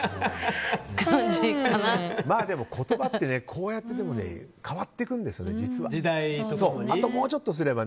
でも言葉ってこうやって変わっていくんですよね、実は。